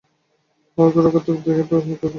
আর গোটাকতক দেখে তবে ঠিক সিদ্ধান্ত করব।